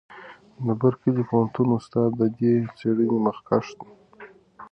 د برکلي پوهنتون استاد د دې څېړنې مخکښ دی.